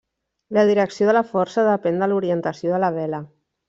La direcció de la força depèn de l'orientació de la vela.